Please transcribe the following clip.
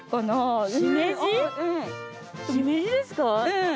うん。